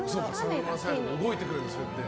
動いてくれるんだ、そうやって。